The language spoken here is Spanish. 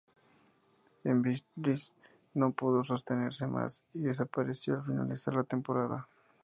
El British no pudo sostenerse mas, y desapareció al finalizar la temporada.